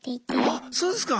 あっそうですか！